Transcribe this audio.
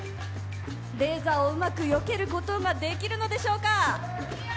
レーザーをうまくよけることができるのでしょうか。